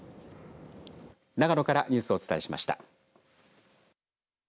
長野からニュースをお伝えしました。